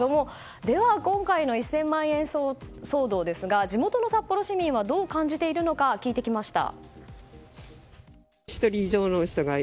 では、今回の１０００万円騒動ですが地元の札幌市民はどう感じているのか聞いてきました。